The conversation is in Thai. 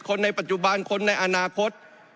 ในปัจจุบันคนในอนาคต